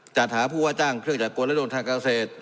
จัดหาผู้ว่าจ้างเครื่องจักรกลและโดนทางเกษตร